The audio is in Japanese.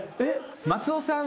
松尾さん